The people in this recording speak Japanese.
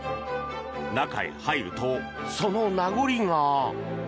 中へ入ると、その名残が。